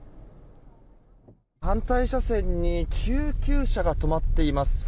反対車線に救急車が止まっています。